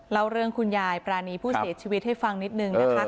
เล่าเรื่องคุณยายปรานีผู้เสียชีวิตให้ฟังนิดนึงนะคะ